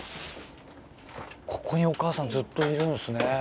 ここにお母さんずっといるんですね。